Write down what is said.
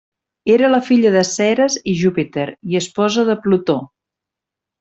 Era filla de Ceres i Júpiter i esposa de Plutó.